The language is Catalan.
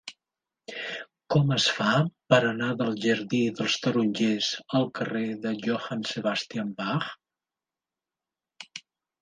Com es fa per anar del jardí dels Tarongers al carrer de Johann Sebastian Bach?